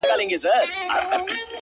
د ښار د ميکدې ترخو اوبو ته انتظار دي!